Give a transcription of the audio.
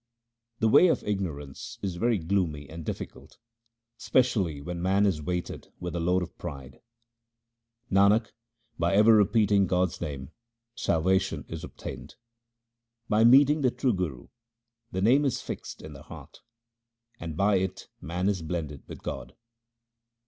The way of ignorance is very gloomy and difficult, specially when man is weighted with the load of pride. Nanak, by ever repeating God's name salvation is obtained. By meeting the true Guru the Name is fixed in the heart, and by it man is blended. with God.